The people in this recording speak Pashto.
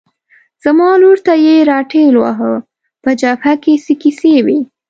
زما لور ته یې را ټېل واهه، په جبهه کې څه کیسې وې؟